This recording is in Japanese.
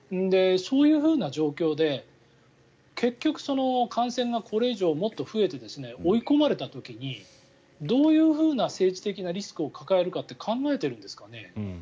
そういうふうな状況で結局、感染がこれ以上もっと増えて追い込まれた時にどういうふうな政治的なリスクを抱えるかと考えているんですかね。